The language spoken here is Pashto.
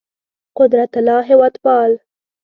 قدرت الله هېوادپال